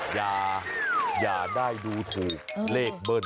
อย่าได้ดูถูกเลขเบิ้ล